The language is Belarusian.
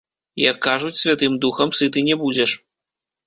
Як кажуць, святым духам сыты не будзеш.